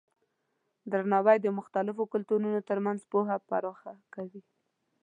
درناوی د مختلفو کلتورونو ترمنځ پوهه پراخه کوي.